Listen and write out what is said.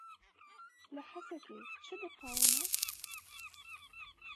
Li Hesekê çi diqewime?